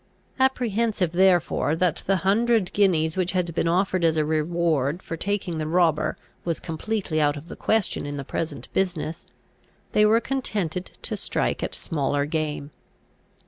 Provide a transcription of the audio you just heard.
Apprehensive therefore that the hundred guineas which had been offered as a reward for taking the robber was completely out of the question in the present business, they were contented to strike at smaller game.